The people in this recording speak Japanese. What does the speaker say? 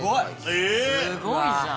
すごいじゃん。